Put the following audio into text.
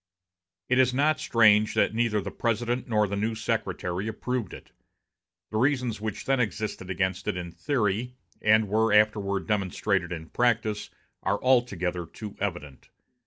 It is not strange that neither the President nor the new Secretary approved it. The reasons which then existed against it in theory, and were afterward demonstrated in practice, are altogether too evident.